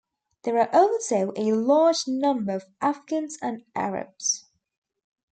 There are also a large number of Afghans and Arabs.